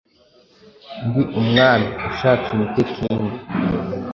Ndi Umwami ushatse unyite kingi